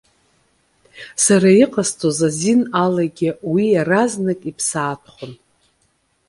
Cара иҟасҵоз азин алагьы уи иаразнак иԥсаатәхон.